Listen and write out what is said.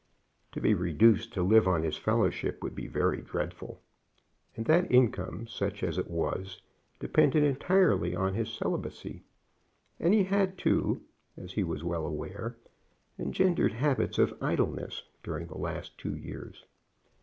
To be reduced to live on his fellowship would be very dreadful. And that income, such as it was, depended entirely on his celibacy. And he had, too, as he was well aware, engendered habits of idleness during the last two years.